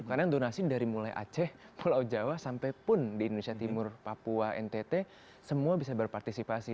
karena yang donasi dari mulai aceh pulau jawa sampai pun di indonesia timur papua ntt semua bisa berpartisipasi